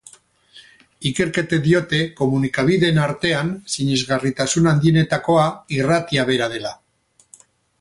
Ikerketek diote komunikabideen artean, sinesgarritasun handienetakoa irratia bera dela.